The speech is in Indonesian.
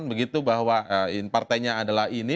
begitu bahwa partainya adalah ini